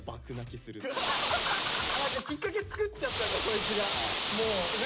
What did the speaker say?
じゃあきっかけ作っちゃったんだそいつが。